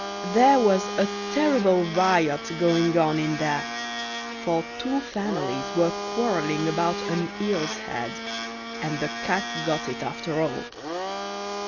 There was a terrible riot going on in there, for two families were quarreling about an eel's head, and the cat got it after all.